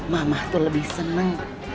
mamah tuh lebih seneng